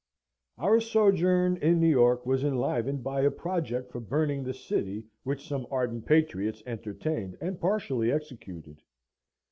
Our sojourn in New York was enlivened by a project for burning the city which some ardent patriots entertained and partially executed.